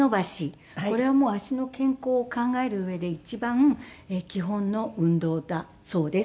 これはもう足の健康を考える上で一番基本の運動だそうです。